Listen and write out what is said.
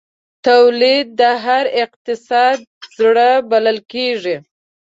تولید د هر اقتصاد زړه بلل کېږي.